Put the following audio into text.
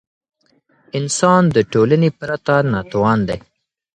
انسان د ټولني پرته ناتوان دی.